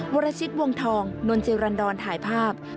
วรชิกวงทองนนท์เจรันดอนถ่ายภาพ